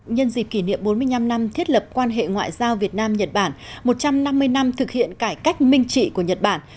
nhân dịp kỷ niệm bốn mươi năm năm thiết lập quan hệ ngoại giao việt nam nhật bản một trăm năm mươi năm thực hiện cải cách minh trị của nhật bản